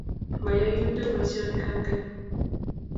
Mayoe Kiptum poisyonik ap keny.